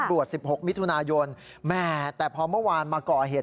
บวช๑๖มิถุนายนแต่พอเมื่อวานมาเกาะเหตุ